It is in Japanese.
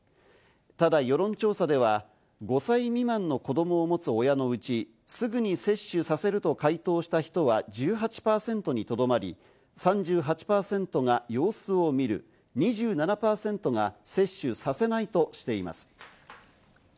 ただ、世論調査では５歳未満の子供を持つ親のうち、すぐに接種させると回答した人は１８％にとどまり、３８％が様子を見る、２７％が接種させないとしています。